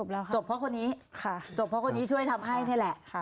แล้วค่ะจบเพราะคนนี้ค่ะจบเพราะคนนี้ช่วยทำให้นี่แหละ